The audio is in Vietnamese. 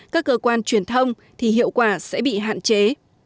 các cơ quan truyền thông thì hiệu quả sẽ bị hạn chế